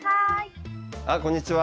こんにちは。